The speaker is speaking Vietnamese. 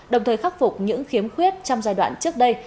đồng thời khắc phục những khiếm khuyết trong giai đoạn trước đây